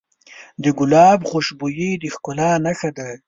د ګلاب خوشبويي د ښکلا نښه ده.